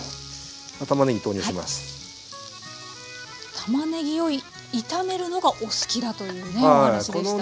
たまねぎを炒めるのがお好きだというお話でした。